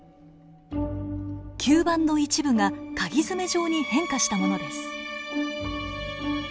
吸盤の一部がかぎ爪状に変化したものです。